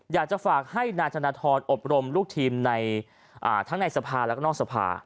อยากจะฝากให้นายธนทรอบรมลูกทีมในทั้งในสภาแล้วก็นอกสภา